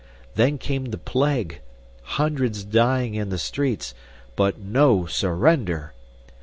Then came the plague hundreds dying in the streets but no surrender!